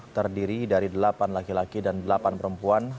terdiri dari delapan laki laki dan delapan perempuan